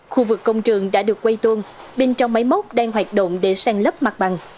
khu vực công trường đã được quay tuôn bên trong máy móc đang hoạt động để sàn lấp mặt bằng